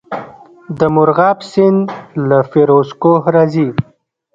د مرغاب سیند له فیروز کوه راځي